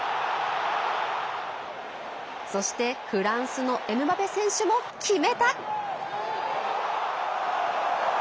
そして、フランスのエムバペ選手も決めた！